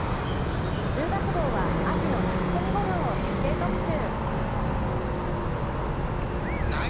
１０月号は秋の炊き込みごはんを徹底特集。